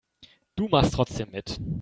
Du machst trotzdem mit.